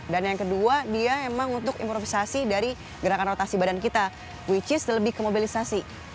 dan yang kedua dia memang untuk improvisasi dari gerakan rotasi badan kita which is lebih ke mobilisasi